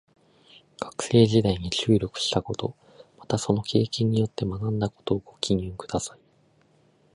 学生時代に注力したこと、またその経験によって学んだことをご記入ください。